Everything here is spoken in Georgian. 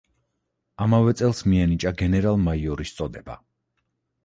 ამავე წელს მიენიჭა გენერალ-მაიორის წოდება.